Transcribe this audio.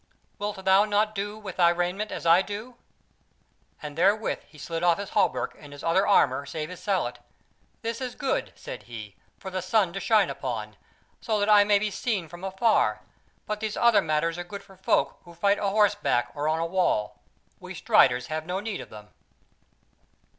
Wilt thou not do with thy raiment as I do?" And therewith he did off his hauberk and his other armour save his sallet. "This is good," said he, "for the sun to shine on, so that I may be seen from far; but these other matters are good for folk who fight a horseback or on a wall; we striders have no need of them."